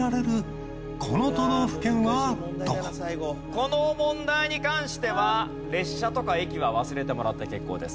この問題に関しては列車とか駅は忘れてもらって結構です。